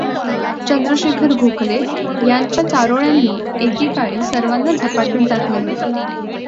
चंद्रशेखर गोखले यांच्या चारोळ्यानी एके काळी सर्वांना झपाटून टाकले होते.